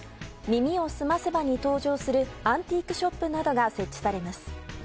「耳をすませば」に登場するアンティークショップなどが設置されます。